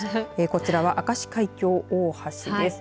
こちらは明石海峡大橋です。